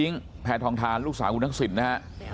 ยังแข็งแรงมากนะฮะ